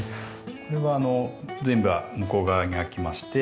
これは全部向こう側に開きまして。